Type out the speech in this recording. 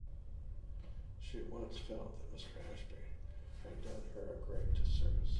She at once felt that Mr Ashby had done her a great disservice.